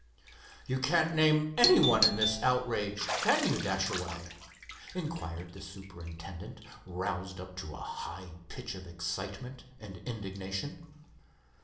"You can't name any one in this outrage; can you, Dashaway?" inquired the superintendent, roused up to a high pitch of excitement and indignation.